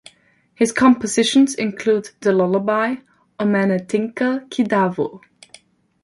His compositions include the lullaby "Omanathinkal Kidavo".